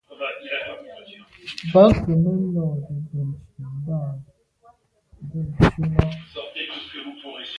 Bə̌k gə̀ mə́ lódə́ bə̀ncìn mbā bū cʉ lá.